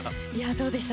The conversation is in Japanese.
どうでした？